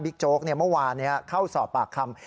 โจ๊กเมื่อวานเข้าสอบปากคำ